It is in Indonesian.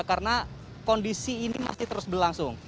karena kondisi ini masih terus berlangsung